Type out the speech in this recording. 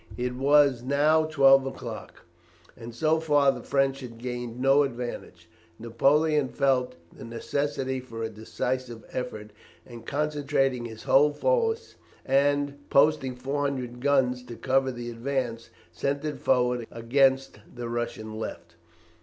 It was now twelve o'clock, and so far the French had gained no advantage. Napoleon felt the necessity for a decisive effort, and concentrating his whole force, and posting 400 guns to cover the advance, sent it forward against the Russian left.